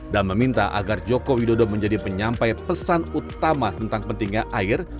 dan meminta agar joko widodo menjadi penyampai pesan utama tentang pentingnya air